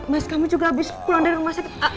mas kamu juga habis pulang dari rumah sakit